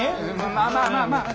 まあまあまあまあ。